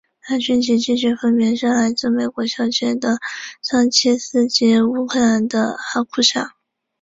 亚军及季军分别是来自美国小姐的桑切斯及乌克兰的哈库沙。